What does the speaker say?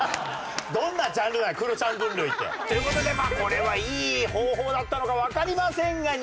どんなジャンルだよクロちゃん分類って。という事でまあこれはいい方法だったのかわかりませんが２。